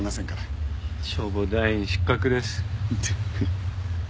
消防団員失格です。